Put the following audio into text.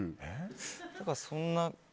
だから、そんな。